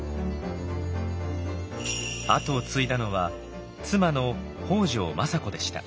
後を継いだのは妻の北条政子でした。